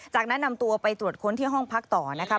จากนั้นนำตัวไปตรวจค้นที่ห้องพักต่อนะคะ